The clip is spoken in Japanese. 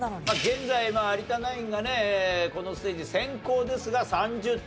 現在有田ナインがねこのステージ先攻ですが３０点差にしたと。